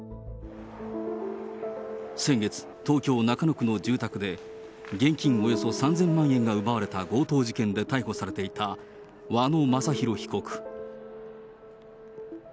先月、東京・中野区の住宅で、現金およそ３０００万円が奪われた強盗事件で逮捕されていた和野正弘被告。